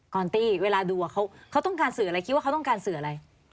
อนตี้เวลาดูเขาต้องการสื่ออะไรคิดว่าเขาต้องการสื่ออะไร